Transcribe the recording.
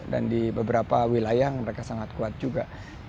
dan di beberapa wilayah yang mereka sangat kuat juga